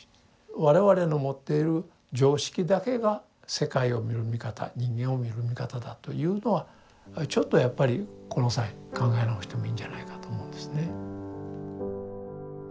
我々の持っている常識だけが世界を見る見方人間を見る見方だというのはちょっとやっぱりこの際考え直してもいいんじゃないかと思うんですね。